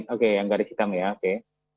oke yang garis hitam ya oke